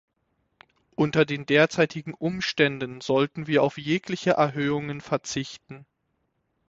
Unter den derzeitigen Umständen sollten wir auf jegliche Erhöhungen verzichten.